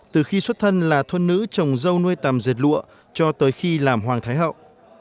từ khi xuất thân là thuân nữ chồng dâu nuôi tàm diệt lụa cho tới khi làm hoàng thái hậu